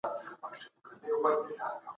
هغې د ذهني فشار نښې هېرې نه کړې.